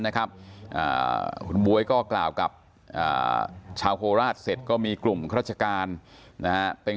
นะครับคุณบ๊วยก็กล่าวกับชาวโคราชเสร็จก็มีกลุ่มราชการนะฮะเป็น